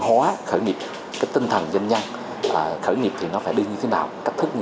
hóa khởi nghiệp cái tinh thần doanh nhân và khởi nghiệp thì nó phải đi như thế nào cách thức như